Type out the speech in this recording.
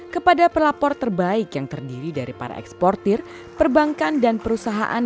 kepada pelapor terbaik yang terdiri dari para eksportir perbankan dan perusahaan